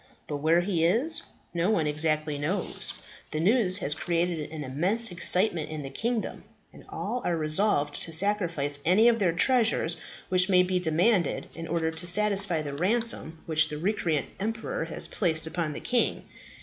But where he is, no one exactly knows. The news has created an immense excitement in the kingdom, and all are resolved to sacrifice any of their treasures which may be demanded in order to satisfy the ransom which the recreant emperor has placed upon the king.